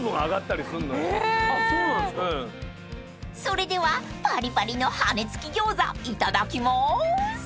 ［それではパリパリの羽根付き餃子いただきます］